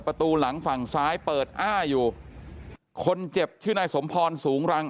ประตูหลังฝั่งซ้ายเปิดอ้าอยู่คนเจ็บชื่อนายสมพรสูงรัง